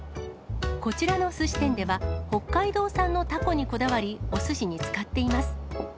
こちらのすし店では、北海道産のタコにこだわり、おすしに使っています。